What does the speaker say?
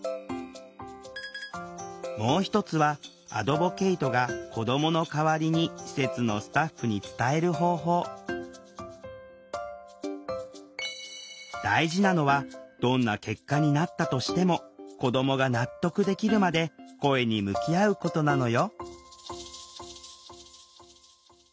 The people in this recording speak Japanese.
もう一つはアドボケイトが子どもの代わりに施設のスタッフに伝える方法大事なのはどんな結果になったとしても子どもが納得できるまで声に向き合うことなのよ